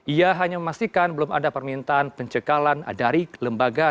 ia hanya memastikan belum ada permintaan pencekalan dari lembaga